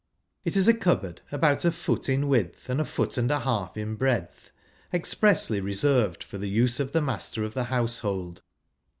It is a cupboard about a foot in width, and a foot and a half in breadth, expressly reserved for the uso of the .master of the household.